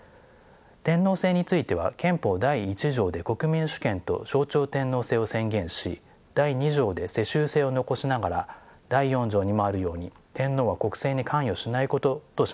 天皇制については憲法第一条で国民主権と象徴天皇制を宣言し第二条で世襲制を残しながら第四条にもあるように天皇は国政に関与しないこととしました。